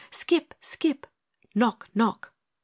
Skip! skip! Knock! knock!